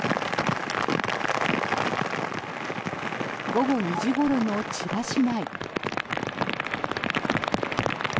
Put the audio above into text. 午後２時ごろの千葉市内。